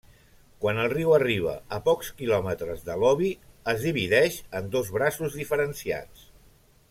Quan el riu arriba a pocs quilòmetres de l'Obi es divideix en dos braços diferenciats.